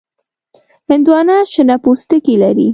هندوانه شنه پوستکی لري.